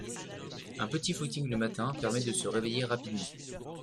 Un petit footing le matin permet de se réveiller rapidement